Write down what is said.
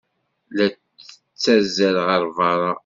La tettazzal ɣer beṛṛa.